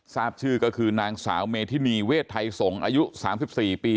ทราบชื่อก็คือนางสาวเมธินีเวชไทยสงศ์อายุ๓๔ปี